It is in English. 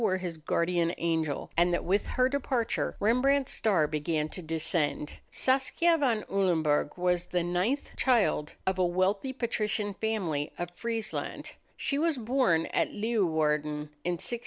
It would seem almost as though Saskia were his guardian angel, and that with her departure Rembrandt's star began to descend. Saskia van Ulenburg was the ninth child of a wealthy patrician family of Friesland. She was born at Leeuwarden in 1612.